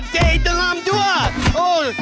เจ๊ต้องลำด้วย